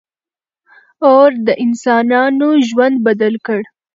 • اور د انسانانو ژوند بدل کړ.